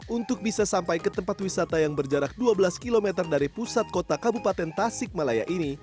untuk bisa sampai ke tempat wisata yang berjarak dua belas km dari pusat kota kabupaten tasik malaya ini